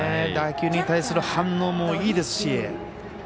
打球に対する反応もいいですし。